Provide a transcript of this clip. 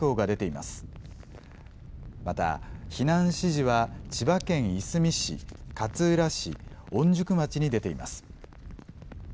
また、避難指示は千葉県いすみ市、勝浦市、御宿町に出ています。